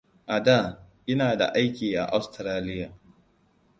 A da, ina da aiki a Austaralia.